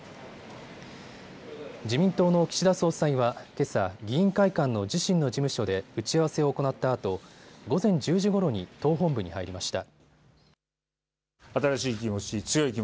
自民党の岸田総裁はけさ、議員会館の自身の事務所で打ち合わせを行ったあと午前１０時ごろに党本部に入りました。